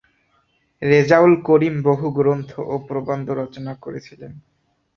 রেজাউল করিম বহু গ্রন্থ ও প্রবন্ধ রচনা করেছিলেন।